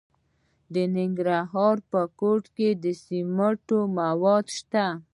د ننګرهار په کوټ کې د سمنټو مواد شته.